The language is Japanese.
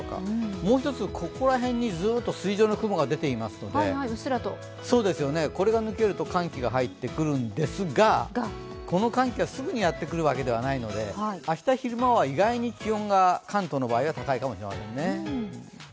もう一つ、ここら辺にずっと筋状の雲が出ていますので、これが抜けると寒気が入ってくるんですがこの寒気はすぐにやってくるわけではないので、明日の昼間は意外と気温が関東の場合は高いかもしれませんね。